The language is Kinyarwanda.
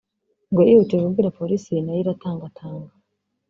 ngo yihutiye kubwira Polisi nayo iratangatanga